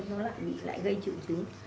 nó lại bị lại gây trực trứng